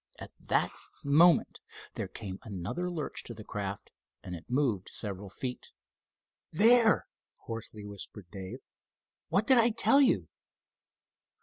At that moment there came another lurch to the craft, and it moved several feet. "There!" hoarsely whispered Dave. "What did I tell you?"